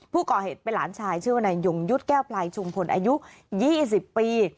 ผู้ก่อเหตุเป็นหลานชายชื่อวนายยงยุทธ์แก้วปลายชุมพลอายุ๒๐ปี